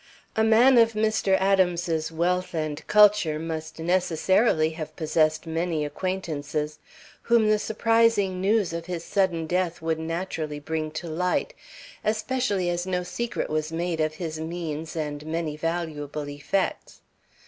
A man of Mr. Adams's wealth and culture must necessarily have possessed many acquaintances, whom the surprising news of his sudden death would naturally bring to light, especially as no secret was made of his means and many valuable effects.